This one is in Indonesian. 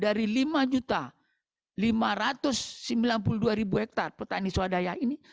dari lima lima ratus sembilan puluh dua hektare petani swadaya ini